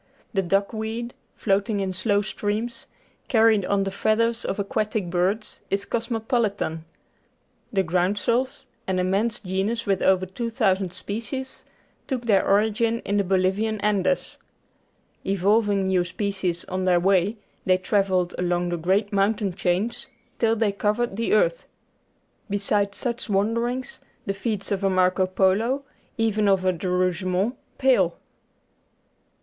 The duckweed, float ing in slow streams, carried on the feathers of aquatic birds, is cosmopolitan. The groundsels, an immense genus with over 2,000 species, took their origin in the Bolivian Andes. Evolving new species on their way, they travelled along the great mountain chains till they covered the earth. Beside such wanderings the feats of a Marco Polo, even of a De Rougemont, pale.